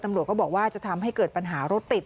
ตำรวจก็บอกว่าจะทำให้เกิดปัญหารถติด